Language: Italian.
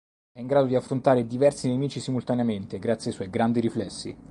È in grado di affrontare diversi nemici simultaneamente grazie ai suoi grandi riflessi.